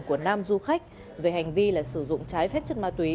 của năm du khách về hành vi sử dụng trái phép chất ma túy